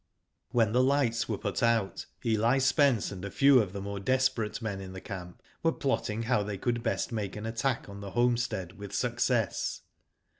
When the lights were put out, Eli Spence and a few of the more desperate men in the camp, were plotting how they could best make an attack on the homestead with success.